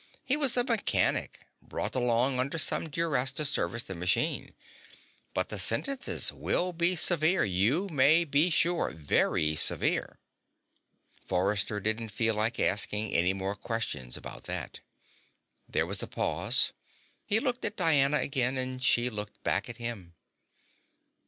He was a mechanic, brought along under some duress to service the machine. But the sentences will be severe, you may be sure. Very severe." Forrester didn't feel like asking any more questions about that. There was a pause. He looked at Diana again, and she looked back at him.